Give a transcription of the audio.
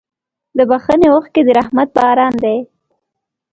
د بښنې اوښکې د رحمت باران دی.